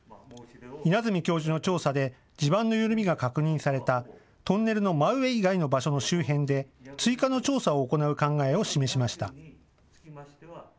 稲積教授の調査で地盤の緩みが確認されたトンネルの真上以外の場所の周辺で追加の調査を行う考えを示しました。